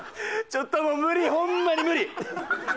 ちょっともう無理ホンマに無理！